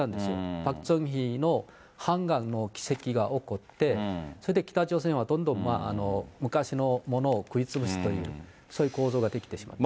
パク・チョンヒのハンガンの奇跡が起こって、それで北朝鮮はどんどん昔のものを食いつぶすという、そういう構造が出来てしまった。